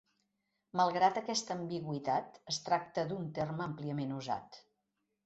Malgrat aquesta ambigüitat, es tracta d'un terme àmpliament usat.